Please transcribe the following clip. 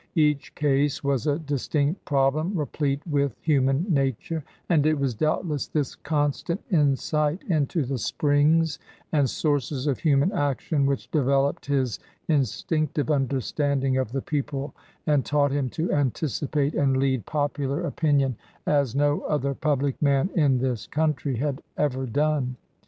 Each case was a distinct problem replete with human nature, and it was doubtless this constant insight into the springs and sources of human action which developed his instinctive understanding of the people and taught him to anticipate and lead popular opin 201 LINCOLN THE LAWYER ion as no other public man in this country had ever done.